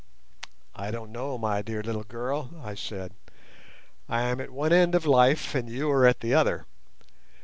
"I don't know, my dear little girl," I said, "I am at one end of life and you are at the other.